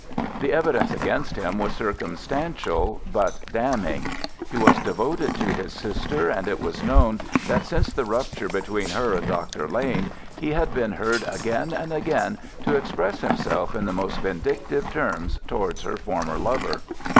The evidence against him was circumstantial, but damning. He was devoted to his sister, and it was shown that since the rupture between her and Dr. Lana he had been heard again and again to express himself in the most vindictive terms towards her former lover.